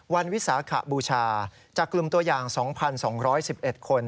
วิสาขบูชาจากกลุ่มตัวอย่าง๒๒๑๑คน